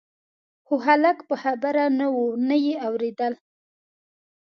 خو خلک په خبره نه وو نه یې اورېدل.